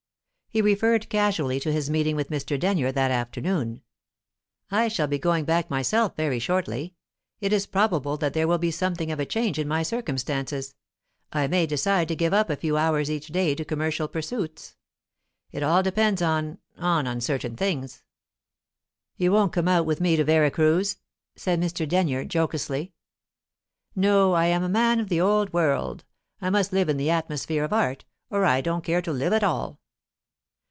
He referred casually to his meeting with Mr. Denyer that afternoon. "I shall be going back myself very shortly. It is probable that there will be something of a change in my circumstances; I may decide to give up a few hours each day to commercial pursuits. It all depends on on uncertain things." "You won't come out with me to Vera Cruz?" said Mr. Denyer, jocosely. "No; I am a man of the old world. I must live in the atmosphere of art, or I don't care to live at all."